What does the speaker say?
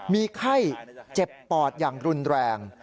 มีไข้เจ็บปอดอย่างรุนแรง